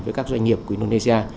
với các doanh nghiệp của indonesia